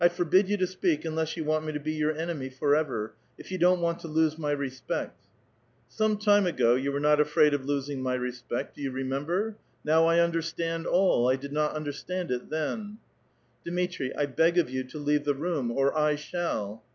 1 forbid you to speak, unless yon want me to ^ 3our enemy forever, — if you don't want to lose my ^^r:>eet." *"^^ Some time ago, you were not afraid of losing my re ^P^^^'t; do you remember? Now I understand all. I did ^^^ undei stand it tben." *"^ Dmitri, I beg of you to leave the room, or I shall."